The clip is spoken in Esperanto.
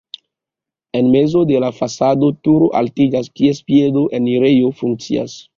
En mezo de la fasado turo altiĝas, kies piedo enirejo funkcias.